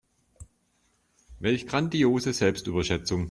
Welch grandiose Selbstüberschätzung.